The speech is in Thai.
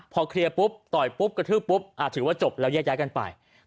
พอเคลียร์ปุ๊บต่อยปุ๊บกระทืบปุ๊บถือว่าจบแล้วแยกย้ายกันไป